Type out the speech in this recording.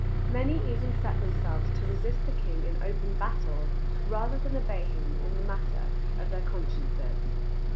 Many even set themselves to resist the king in open battle rather than obey him in the matter of their consciences.